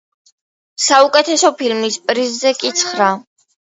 საუკეთესო ფილმის პრიზზე კი ცხრა.